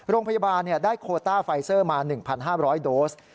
โรงพยาบาลได้โคต้าไฟเซอร์มา๑๕๐๐โดส